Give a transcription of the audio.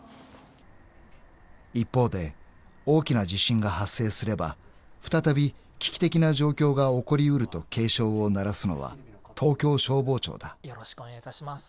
［一方で大きな地震が発生すれば再び危機的な状況が起こり得ると警鐘を鳴らすのは東京消防庁だ］